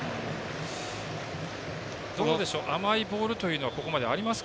甘いボールというのはここまでありますか。